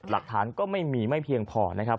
หลักฐานก็ไม่มีไม่เพียงพอนะครับ